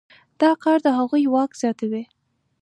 دا کار د هغوی واک زیاتوي.